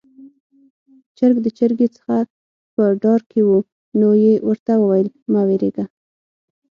چرګ د چرګې څخه په ډار کې وو، نو يې ورته وويل: 'مه وېرېږه'.